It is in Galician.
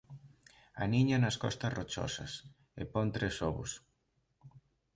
Aniña nas costas rochosas e pon tres ovos.